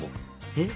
えっ？